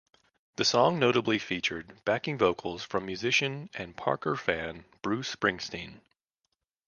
The song notably featured backing vocals from musician and Parker fan Bruce Springsteen.